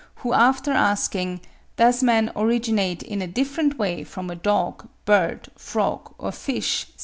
who after asking, does man originate in a different way from a dog, bird, frog or fish?